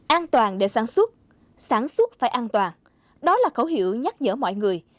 an toàn để sản xuất sản xuất phải an toàn đó là khẩu hiệu nhắc nhở mọi người